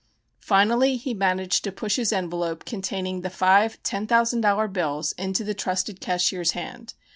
Finally he managed to push his envelope containing the five ten thousand dollar bills into the "trusted cashier's" hand.